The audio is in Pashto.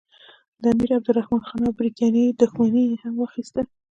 د امیرعبدالرحمن خان او برټانیې دښمني یې هم واخیسته.